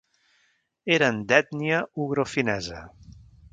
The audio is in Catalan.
Eren d'ètnia ugrofinesa.